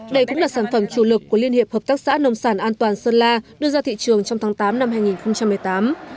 đây cũng là sản phẩm chủ lực của liên hiệp hợp tác xã nông sản an toàn sơn la đưa ra thị trường trong tháng tám năm hai nghìn một mươi tám